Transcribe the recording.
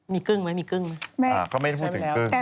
มีกึ้งไหมมีกึ้งไหมเขาไม่ได้พูดถึงกึ้งใช่ไปแล้ว